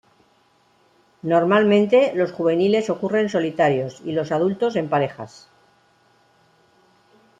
Normalmente los juveniles ocurren solitarios, y los adultos en parejas.